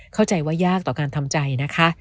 เข้าใจว่ายากต่อการทำใจนะคะ